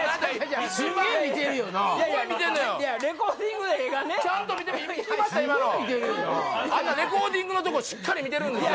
あんなレコーディングのとこしっかり見てるんですよ